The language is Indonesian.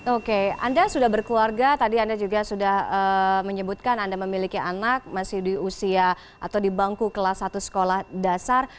oke anda sudah berkeluarga tadi anda juga sudah menyebutkan anda memiliki anak masih di usia atau di bangku kelas satu sekolah dasar